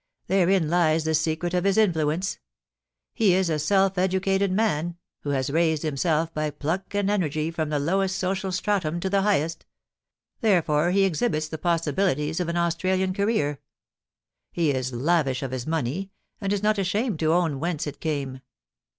* Therein lies the secret of his influence. He is a self educated man, who has raised himself by pluck and energy from the lowest social stratum to the highest ; there fore he exhibits the possibilities of an Australian career. He is lavish of his money, and is not ashamed to own whence it came.